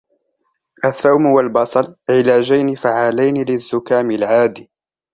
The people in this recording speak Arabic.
الثوم و البصل علاجين فعالين للزكام العادي.